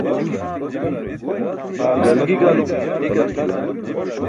Galgi galum balas juwan.